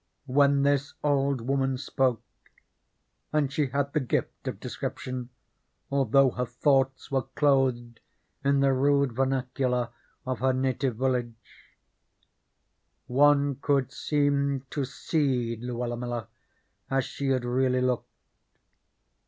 When this old woman spoke and she had the gift of description, although her thoughts were clothed in the rude vernacular of her native village one could seem to see Luella Miller as she had really looked.